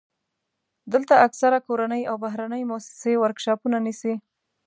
دلته اکثره کورنۍ او بهرنۍ موسسې ورکشاپونه نیسي.